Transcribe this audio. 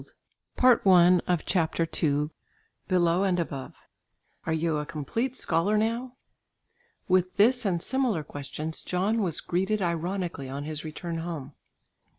A krona = 1s. 2d. CHAPTER II BELOW AND ABOVE "Are you a complete scholar now?" With this and similar questions John was greeted ironically on his return home.